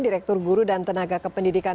direktur guru dan tenaga kependidikan